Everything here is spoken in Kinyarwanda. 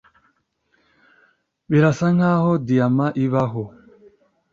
Birasa nkaho diyama ibaho